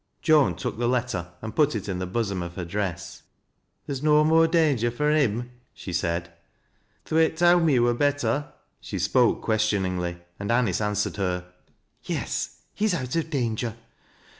Joan took the letter and put it in the bosom of hei dress. "Theer's no more danger fur him?" she said " Thwaite towd me he wur better." She spoke questioningly, and Anice answered her —" Yes, he is out of danger.